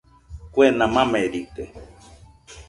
Kuena mamerite.